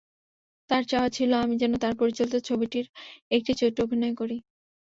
তার চাওয়া ছিল আমি যেন তার পরিচালিত ছবিটির একটি চরিত্রে অভিনয় করি।